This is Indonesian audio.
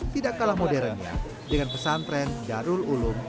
tidak kalah modernnya dengan pesantren darul ulum